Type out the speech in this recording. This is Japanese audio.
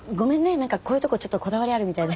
何かこういうとこちょっとこだわりあるみたいで。